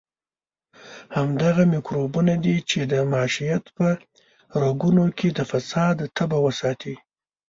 همدغه میکروبونه دي چې د معیشت په رګونو کې د فساد تبه وساتي.